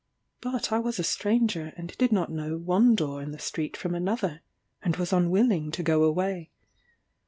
But I was a stranger, and did not know one door in the street from another, and was unwilling to go away.